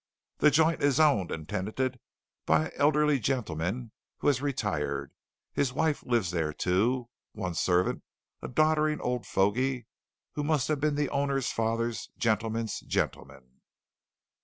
The joint is owned and tenanted by an elderly gentleman who has retired. His wife lives there too. One servant, a doddering old fogy who must have been the owner's father's gentleman's gentleman."